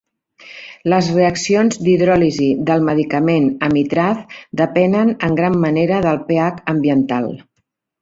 Les reaccions d'hidròlisis del medicament amitraz depenen en gran manera del pH ambiental.